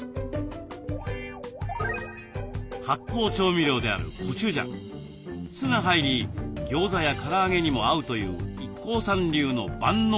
発酵調味料であるコチュジャン酢が入りギョーザやから揚げにも合うというＩＫＫＯさん流の万能だれです。